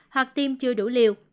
hoặc tiêm chưa đủ liều